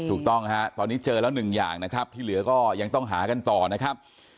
ถูกต้องฮะตอนนี้เจอแล้วหนึ่งอย่างนะครับที่เหลือก็ยังต้องหากันต่อนะครับ